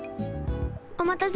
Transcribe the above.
おまたせ。